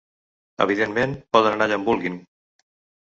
Evidentment, poden anar allà on vulguin.